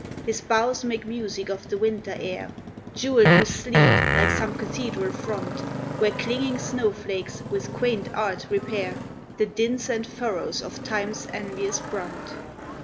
His boughs make music of the winter air, Jewelled with sleet, like some cathedral front Where clinging snow flakes with quaint art repair The dints and furrows of time's envious brunt.